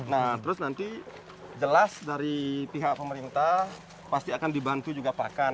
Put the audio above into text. nah terus nanti jelas dari pihak pemerintah pasti akan dibantu juga pakar